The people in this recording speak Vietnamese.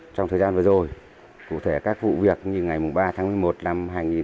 trong thời gian vừa rồi cụ thể các vụ việc như ngày ba tháng một mươi một năm hai nghìn một mươi chín